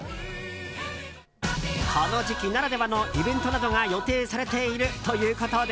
この時期ならではのイベントなどが予定されているということで。